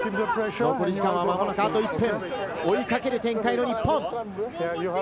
残り時間はまもなくあと１分、追いかける展開の日本。